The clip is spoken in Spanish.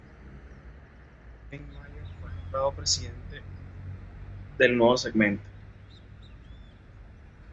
Kevin Mayer fue nombrado presidente del nuevo segmento.